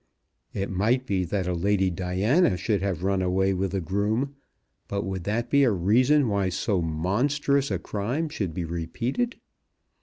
It might be that a Lady Diana should have run away with a groom, but would that be a reason why so monstrous a crime should be repeated?